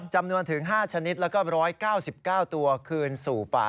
จำนวนถึง๕ชนิดแล้วก็๑๙๙ตัวคืนสู่ป่า